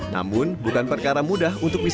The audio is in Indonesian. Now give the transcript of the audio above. namun bukan perkara mudah untuk bisa